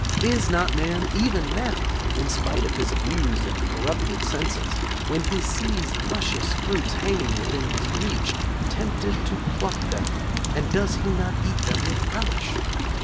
Is not man, even now, in spite of his abused and corrupted senses, when he sees luscious fruits hanging within his reach, tempted to pluck them, and does he not eat them with relish?